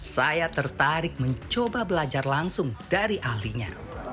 saya tertarik mencoba belajar langsung dari ahlinya